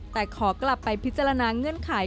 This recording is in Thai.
แต่ขอกลับไปพิจารณาเงื่อนไข